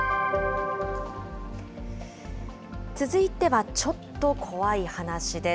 続いてはちょっと怖い話です。